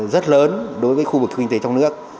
rất lớn đối với khu vực kinh tế trong nước